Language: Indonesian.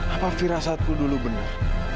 apa firasatku dulu benar